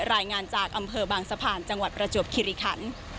รายงานจากอำเภอบางสะพานจังหวัดประจวบคิริคัน